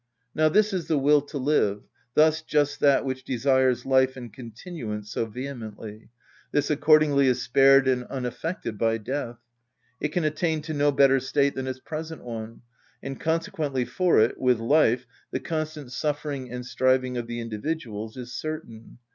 Now this is the will to live, thus just that which desires life and continuance so vehemently. This accordingly is spared and unaffected by death. It can attain to no better state than its present one; and consequently for it, with life, the constant suffering and striving of the individuals is certain.